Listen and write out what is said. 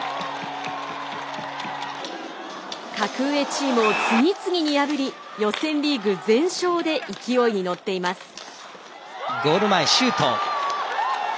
格上チームを次々に破り予選リーグ全勝で勢いに乗っています。